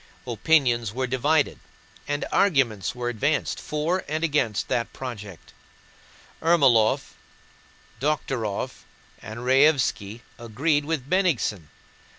Opinions were divided, and arguments were advanced for and against that project. Ermólov, Dokhtúrov, and Raévski agreed with Bennigsen.